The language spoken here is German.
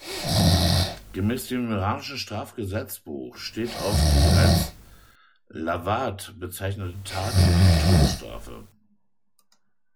Gemäß dem iranischen Strafgesetzbuch steht auf die als lavat bezeichnete Tat die Todesstrafe.